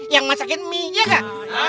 yang masakin mie nya gak